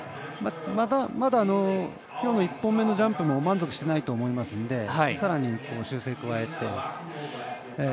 まだまだきょうの１本目のジャンプも満足してないと思いますのでさらに、修正を加えて。